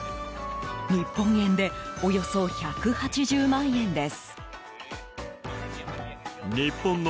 日本円でおよそ１８０万円です。